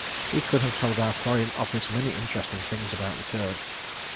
He could have told our Foreign Office many interesting things about the Turk.